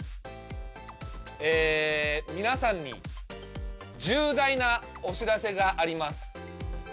え皆さんに重大なお知らせがあります。